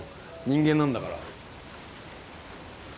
人間なんだから。